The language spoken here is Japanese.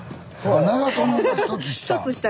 あ長友が１つ下。